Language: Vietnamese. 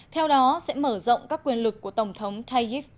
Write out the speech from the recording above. theo đó sẽ mở rộng các quyền lực của tổng thống tayyip